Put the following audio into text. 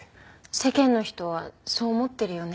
世間の人はそう思ってるよね。